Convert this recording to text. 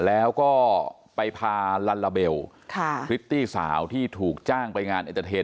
แล้วก็ไปพาลัลลาเบลพริตตี้สาวที่ถูกจ้างไปงานเอ็นเตอร์เทน